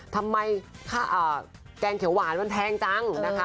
ทำไมแกงเขียวหวานมันแพงจังนะคะ